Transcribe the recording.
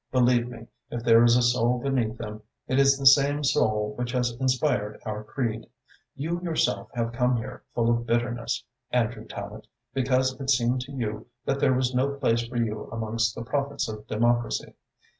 Believe me, if there is a soul beneath them, it is the same soul which has inspired our creed. You yourself have come here full of bitterness, Andrew Tallente, because it seemed to you that there was no place for you amongst the prophets of democracy.